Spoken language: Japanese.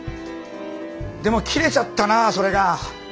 でも切れちゃったなそれが。